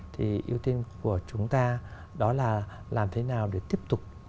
thì ưu tiên của chúng ta đó là làm thế nào để tiếp tục